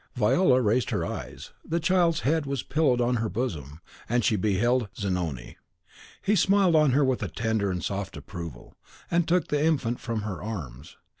Viola raised her eyes, the child's head was pillowed on her bosom, and she beheld Zanoni. He smiled on her with a tender and soft approval, and took the infant from her arms.